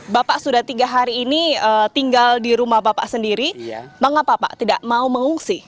bapak sudah tiga hari ini tinggal di rumah bapak sendiri mengapa pak tidak mau mengungsi